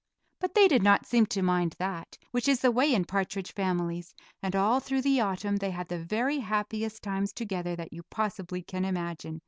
But they did not seem to mind that, which is the way in partridge families, and all through the autumn they had the very happiest times together that you possibly can imagine.